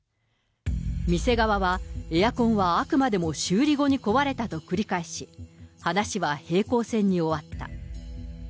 店側は、エアコンはあくまでも修理後に壊れたと繰り返し、話は平行線に終わった。